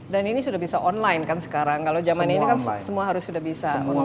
dan ini sudah bisa online kan sekarang kalau zaman ini kan semua harus sudah bisa online